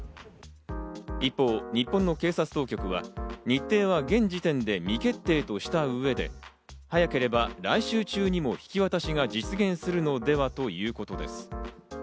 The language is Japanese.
一方、日本の警察当局は日程は現時点で未決定とした上で、早ければ来週中にも引き渡しが実現するのではということです。